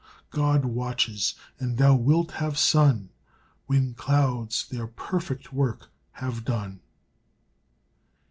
God watches and thou wilt have sun When clouds their perfect work Have done.